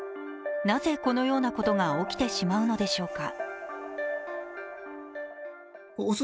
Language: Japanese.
なぜこのようなことが起きてしまうのでしょうか。